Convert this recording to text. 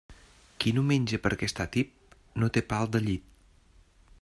Qui no menja perquè està tip, no té pal de llit.